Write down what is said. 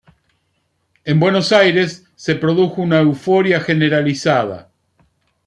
En Buenos Aires se produjo una euforia generalizada.